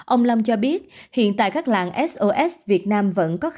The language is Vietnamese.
ông long cho biết hiện tại các làng sos việt nam vẫn có khả năng để giúp đỡ các em